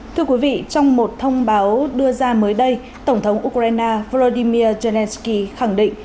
thưa quý vị trong một thông báo đưa ra mới đây tổng thống ukraine volodymyr zelensky khẳng định